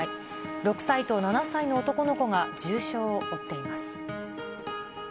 ６歳と７歳の男の子が重傷を負っています。